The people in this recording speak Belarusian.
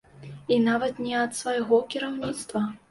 І нават не ад свайго кіраўніцтва.